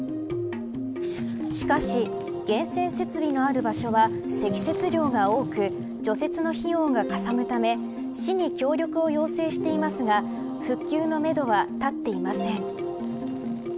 しかし、源泉設備のある場所は積雪量が多く除雪の費用がかさむため市に協力を要請していますが復旧のめどは立っていません。